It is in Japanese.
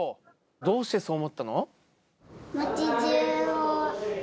どうしてそう思ったの？